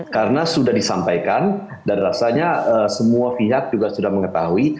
karena sudah disampaikan dan rasanya semua pihak juga sudah mengetahui